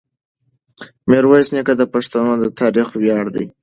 میرویس نیکه د پښتنو د تاریخ ویاړ دی.